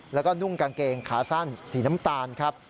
แล้วก็นุ่งกางเกงขาสั้นสีน้ำตาลครับ